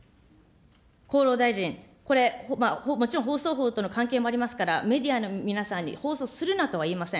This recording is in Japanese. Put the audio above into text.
厚労大臣、これ、もちろん放送法との関係もありますから、メディアの皆さんに、放送するなとは言いません。